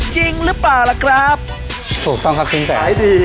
จริงหรือเปล่าล่ะครับถูกต้องครับจริงแต่ขายดี